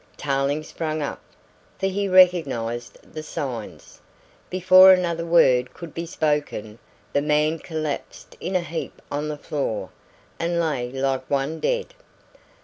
Tarling sprang up, for he recognised the signs. Before another word could be spoken, the man collapsed in a heap on the floor, and lay like one dead.